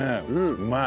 うまい。